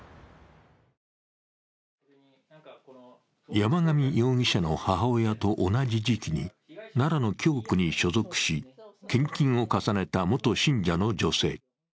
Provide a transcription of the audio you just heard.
山上容疑者の母親と同じ時期に奈良の教区に所属し献金を重ねた元信者の女性。